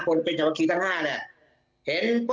คนเป็นเฉพาะคริสต์ทั้ง๕เนี่ย